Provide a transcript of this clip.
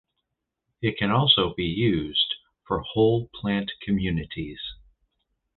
It can also be used for whole plant communities.